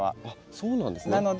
あっそうなんですね。